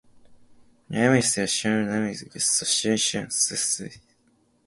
斜めにすれば、島は斜めに動きます。そして、磁石を土面と水平にすれば、島は停まっています。